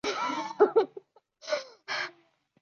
比如手部在初级体感皮层中的代表区域比背部的大。